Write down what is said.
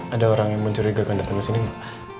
ada orang yang mencurigakan datang ke sini nggak